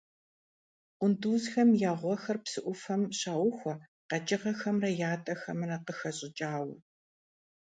Къундузхэм я гъуэхэр псы Ӏуфэм щаухуэ къэкӀыгъэхэмрэ ятӀэхэмрэ къыхэщӀыкӀауэ.